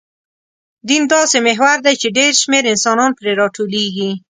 دین داسې محور دی، چې ډېر شمېر انسانان پرې راټولېږي.